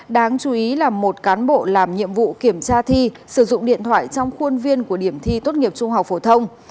đáng chú ý là một cán bộ làm nhiệm vụ kiểm tra thi sử dụng điện thoại trong khuôn viên của điểm thi tốt nghiệp trung học phổ thông